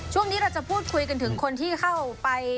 ช่วงนี้เราจะพูดคุยกันถึงคนที่เข้าไป